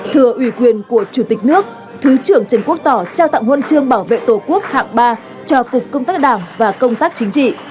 thừa ủy quyền của chủ tịch nước thứ trưởng trần quốc tỏ trao tặng huân chương bảo vệ tổ quốc hạng ba cho cục công tác đảng và công tác chính trị